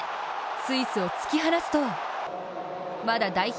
スイスを突き放すとまだ代表